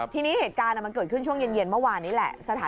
ทีนี้เหตุการณ์มันเกิดขึ้นช่วงเย็นเมื่อวานนี้แหละ